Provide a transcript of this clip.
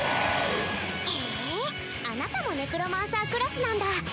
へぇあなたもネクロマンサークラスなんだ。